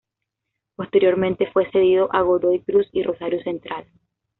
Posteriormente fue cedido a Godoy Cruz y Rosario Central.